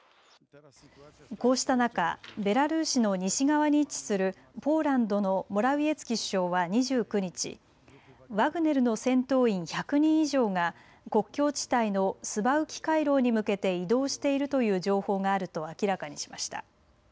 こうした中、ベラルーシの西側に位置するポーランドのモラウィエツキ首相は２９日、ワグネルの戦闘員１００人以上が国境地帯のスバウキ回廊に向けて移動しているという情報があると明らかにしました。